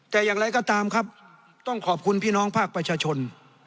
แต่อย่างไรก็ตามครับต้องขอบคุณพี่น้องภาคประชาชน